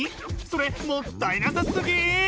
それもったいなさすぎ！